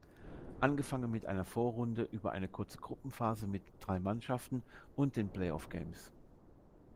Angefangen mit einer Vorrunde, über eine kurze Gruppenphase mit drei Mannschaften und den Play-Off-Games.